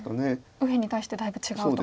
右辺に対してだいぶ違うと。